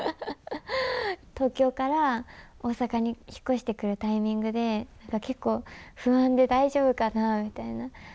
東京から大阪に引っ越してくるタイミングで、結構不安で、大丈夫かなみたいな。